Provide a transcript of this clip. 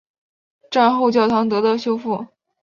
战后教堂得到修复。